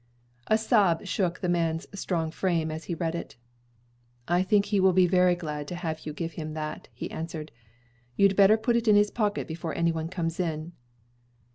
A sob shook the man's strong frame as he read it. "I think he will be very glad to have you give him that," he answered. "You'd better put it in his pocket before any one comes in."